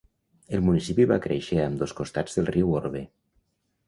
El municipi va créixer a ambdós costats del riu Orbe.